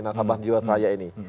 nasabah jiwaseraya ini